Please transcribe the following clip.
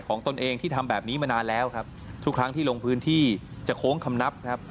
ตนเองที่ทำแบบนี้มานานแล้วครับทุกครั้งที่ลงพื้นที่จะโค้งคำนับครับ